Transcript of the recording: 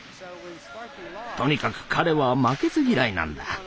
とにかく彼は負けず嫌いなんだ。